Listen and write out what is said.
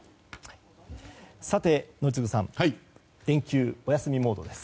さて、宜嗣さん連休、お休みモードです。